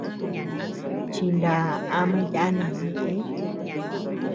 Chiná ama yana ñeʼë.